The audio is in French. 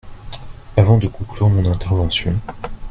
Avant de conclure mon intervention